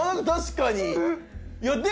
確かに。